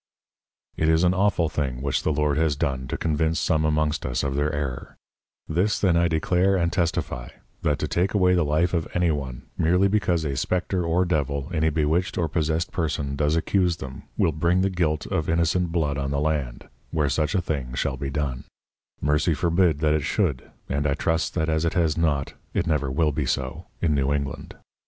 It is an awful thing which the Lord has done to convince some amongst us of their Error: This then I declare and testifie, that to take away the Life of any one, meerly because a Spectre or Devil, in a bewitched or possessed Person does accuse them, will bring the Guilt of innocent Blood on the Land, where such a thing shall be done: Mercy forbid that it should, (and I trust that as it has not it never will be so) in New England.